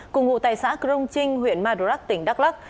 cùng ngụ tại xã crong trinh huyện madrak tỉnh đắk lắc